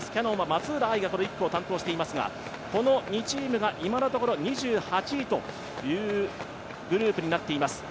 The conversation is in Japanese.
松浦亜依がこの１区を担当していますがこの２チームが今のところ２８位というグループになっています。